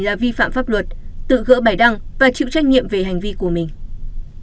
là vi phạm pháp luật tự gỡ bài đăng và chịu trách nhiệm về hành vi của mình